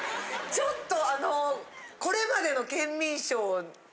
ちょっと。